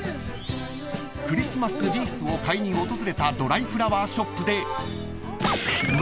［クリスマスリースを買いに訪れたドライフラワーショップで］